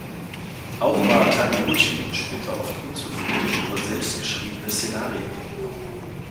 Auch war Taniguchi später oft unzufrieden über selbst geschriebene Szenarien.